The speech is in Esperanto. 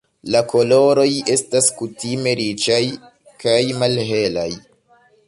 La koloroj estas kutime riĉaj kaj malhelaj.